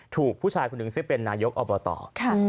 ถูกผู้ชายหนึ่งเป็นนายกอบราศน์